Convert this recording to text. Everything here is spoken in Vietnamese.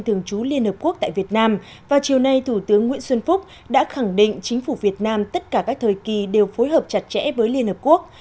thường trú liên hợp quốc tại việt nam vào chiều nay thủ tướng nguyễn xuân phúc đã khẳng định chính phủ việt nam tất cả các thời kỳ đều phối hợp chặt chẽ với liên hợp quốc